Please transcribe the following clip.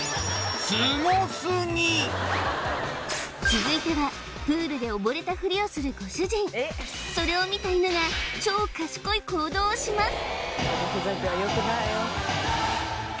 続いてはプールでおぼれたふりをするご主人それを見た犬が超賢い行動をしますＡａｈ！